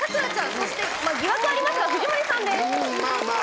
そして、まあ疑惑はありますが藤森さんです！